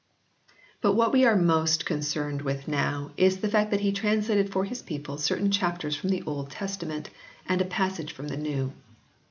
But what we are most concerned with now is the fact that he translated for his people certain chapters from the Old Testa ment and a passage from the New.